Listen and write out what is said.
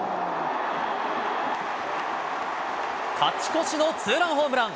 勝ち越しのツーランホームラン。